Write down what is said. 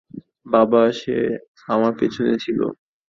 বাবা, সে আমার পেছনে ছিল।